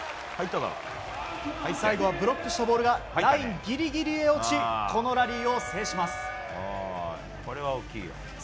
最後はブロックしたボールがラインギリギリへ落ちこのラリーを制します。